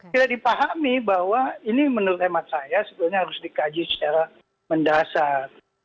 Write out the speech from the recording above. tidak dipahami bahwa ini menurut hemat saya sebetulnya harus dikaji secara mendasar